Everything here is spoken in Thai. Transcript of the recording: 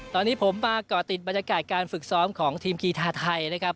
ตอนนี้ผมมาก่อติดบรรยากาศการฝึกซ้อมของทีมกีธาไทยนะครับ